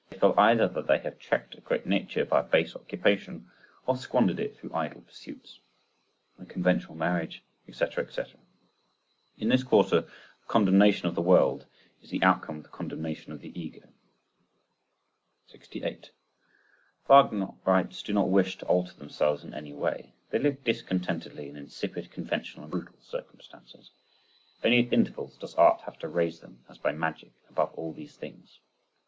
They feel either that they have checked a great nature by a base occupation, or squandered it through idle pursuits, a conventional marriage, &c. &c. In this quarter the condemnation of the world is the outcome of the condemnation of the ego. 68. Wagnerites do not wish to alter themselves in any way, they live discontentedly in insipid, conventional and brutal circumstances—only at intervals does art have to raise them as by magic above these things.